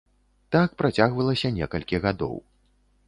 Так працягвалася некалькі гадоў.